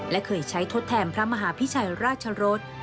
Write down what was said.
และเคยใช้ทดแทนพระมหาพิชัยราชรส